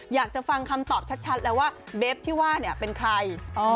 อยากจะฟังคำตอบชัดแล้วว่าเบฟที่ว่าเนี่ยเป็นใคร